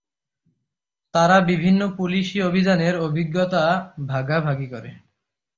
তারা বিভিন্ন পুলিশি অভিযানের অভিজ্ঞতা ভাগাভাগি করে।